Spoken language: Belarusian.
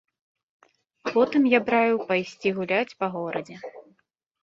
Потым я б раіў пайсці гуляць па горадзе.